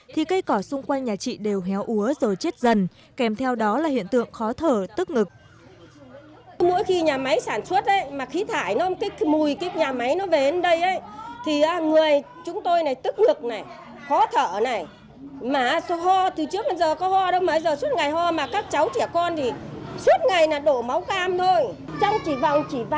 thì cây cỏ xung quanh nhà chị đều héo úa rồi chết dần kèm theo đó là hiện tượng khó thở tức ngực